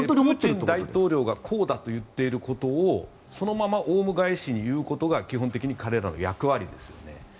プーチン大統領がこうだと言っていることをそのままおうむ返しに言うことが基本的に彼らの役割ですよね。